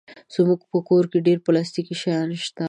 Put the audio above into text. زموږ په کور کې ډېر پلاستيکي شیان شته.